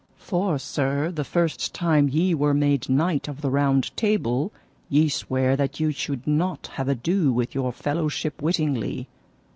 For, sir, the first time ye were made Knight of the Round Table ye sware that ye should not have ado with your fellowship wittingly.